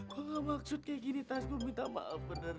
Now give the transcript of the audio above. gue gak maksud kayak gini tas gue minta maaf bener